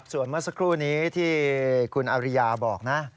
ส่วนเมื่อสักครู่นี้ที่คุณอริยาบอกนะ